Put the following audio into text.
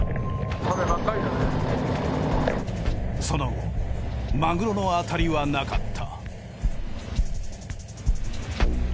その後マグロのアタリはなかった。